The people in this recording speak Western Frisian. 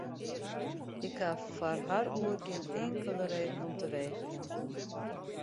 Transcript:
Ik ha foar har oer gjin inkelde reden om te wegerjen.